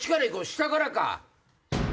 下からか。